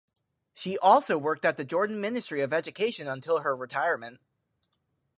She also worked at the Jordan Ministry of Education until her retirement.